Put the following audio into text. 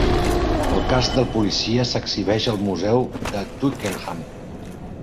El casc del policia s'exhibeix al museu de Twickenham.